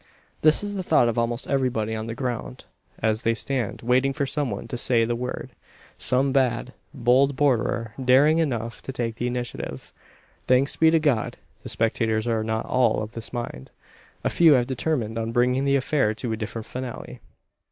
This is the thought of almost everybody on the ground, as they stand waiting for some one to say the word some bad, bold borderer daring enough to take the initiative. Thanks be to God, the spectators are not all of this mind. A few have determined on bringing the affair to a different finale.